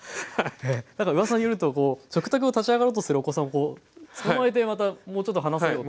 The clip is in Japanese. なんかうわさによると食卓を立ち上がろうとするお子さんをつかまえてもうちょっと話せよって。